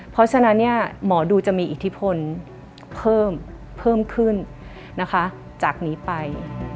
เพราะฉะนั้นหมอดูจะมีอิทธิพลเพิ่มขึ้นนะคะจากนี้ไป